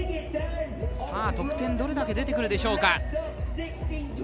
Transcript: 得点どれだけ出てくるでしょうか。